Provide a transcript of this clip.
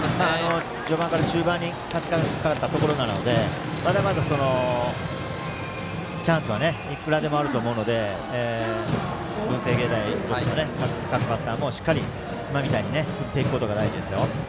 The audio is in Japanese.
序盤から中盤にさしかかったところなのでまだまだチャンスはいくらでもあると思うので文星芸大付属の各バッターもしっかり今みたいに打っていくことが大事です。